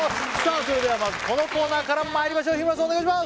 それではまずこのコーナーからまいりましょう日村さんお願いします